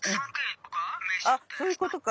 そういうことか。